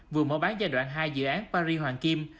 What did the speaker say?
vừa mở bán giai đoạn hai dự án paris hoàng kim